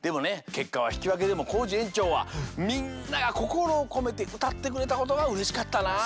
けっかはひきわけでもコージえんちょうはみんながこころをこめてうたってくれたことがうれしかったなあ。